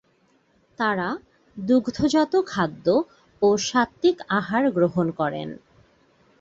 তাঁরা দুগ্ধজাত খাদ্য ও সাত্ত্বিক আহার গ্রহণ করেন।